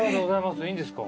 いいんですか？